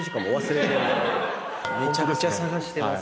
めちゃくちゃ捜してます。